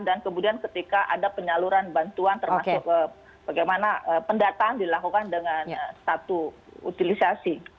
dan kemudian ketika ada penyaluran bantuan termasuk bagaimana pendataan dilakukan dengan satu utilisasi